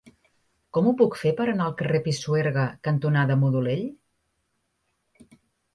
Com ho puc fer per anar al carrer Pisuerga cantonada Modolell?